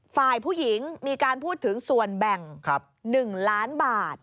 ฝ่ายผู้หญิงมีการพูดถึงส่วนแบ่ง๑ล้านบาท